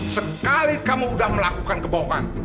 sekali kamu sudah melakukan kebohongan